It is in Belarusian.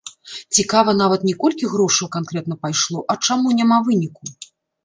Цікава нават не колькі грошаў канкрэтна пайшло, а чаму няма выніку?!